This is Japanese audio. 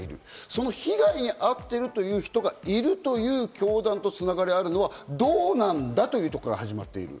その被害に遭っているという人がいるという教団とつながりがあるのはどうなんだというところから始まっている。